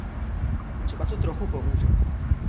Třeba to trochu pomůže.